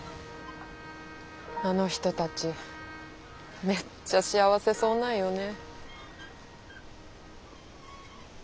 あの人たちめっちゃ幸せそうなんよね。